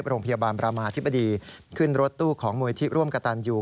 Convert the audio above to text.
โรงพยาบาลประมาธิบดีขึ้นรถตู้ของมูลที่ร่วมกระตันอยู่